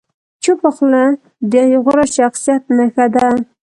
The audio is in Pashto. چپه خوله، د غوره شخصیت نښه ده.